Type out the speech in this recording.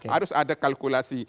harus ada kalkulasi